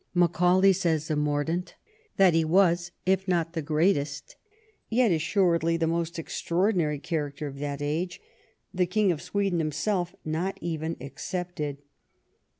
Macaulay says of Mordaunt that he was, " if not the greatest, yet assuredly the most extraordinary character of that age, the King of Sweden himself not even excepted."